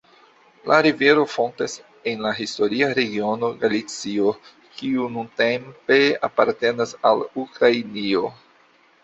La rivero fontas en la historia regiono Galicio, kiu nuntempe apartenas al Ukrainio.